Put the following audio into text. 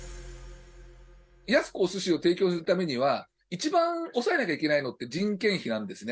安くおすしを提供するためには、一番抑えなきゃいけないのって人件費なんですね。